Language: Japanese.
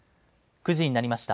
９時になりました。